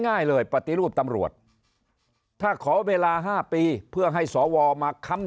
ง่ายเลยปฏิรูปตำรวจถ้าขอเวลา๕ปีเพื่อให้สวมาค้ำ